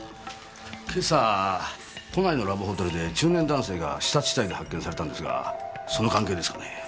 今朝都内のラブホテルで中年男性が刺殺死体で発見されたんですがその関係ですかねえ。